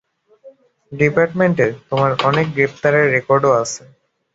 ডিপার্টমেন্টে তোমার অনেক গ্রেপ্তারের রেকর্ডও আছে।